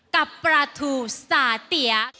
กับปลาทูสาเตี๋ย